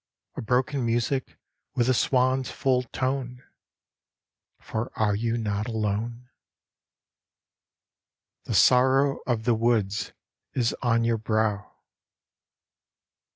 A broken music, with the swan's full tone ; For are you not alone ? The sorrow of the woods is on your brow.